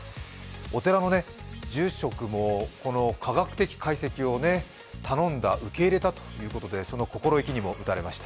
お寺のね住職も科学的解析を頼んだ受け入れたということで、その心意気にも打たれました。